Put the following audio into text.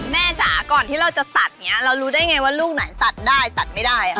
จ๋าก่อนที่เราจะตัดอย่างนี้เรารู้ได้ไงว่าลูกไหนตัดได้ตัดไม่ได้